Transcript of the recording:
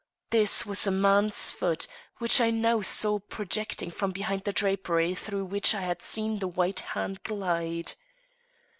This was a man's foot, which I now saw projecting from behind the drapery through which I had seen the white hand glide.